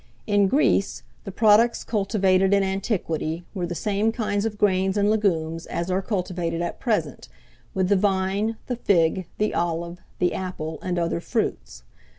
In Greece, the products cultivated in antiquity were the same kinds of grains and legumes as are cultivated at present, with the vine, the fig, the olive, the apple, and other fruits.